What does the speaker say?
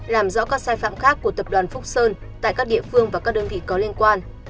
làm rõ các sai phạm khác của tập đoàn phúc sơn tại các địa phương và các đơn vị có liên quan